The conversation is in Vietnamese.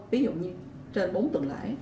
ví dụ như trên bốn tuần lễ